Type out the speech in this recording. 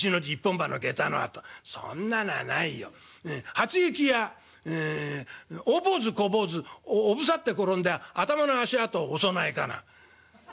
「『初雪や大坊主小坊主おぶさって転んで頭の足跡お供えかな』」。